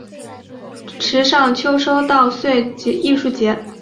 池上秋收稻穗艺术节